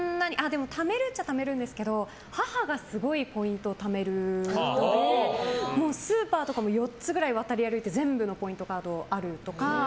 でも、ためるっちゃためるんですけど母がすごいポイントをためる人でスーパーとかも４つぐらい渡り歩いて全部のポイントカードがあるとか。